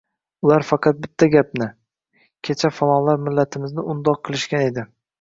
Ular faqat bitta gapni — «kecha falonlar millatimizni undoq qilishgan edi